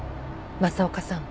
政岡さん。